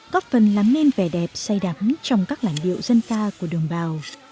có phần làm nên vẻ đẹp say đắm trong các làn điệu dân khai